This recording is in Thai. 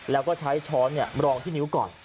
แล้วก็ใช้ช้อนรองที่นิ้วก่อน